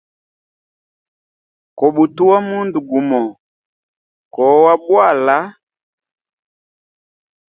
Kobutuwa mundu gumo kowa bwala.